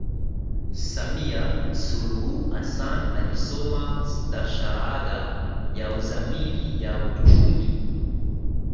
Samia Suluhu Hassan alisoma stashahada ya Uzamili ya Uchumi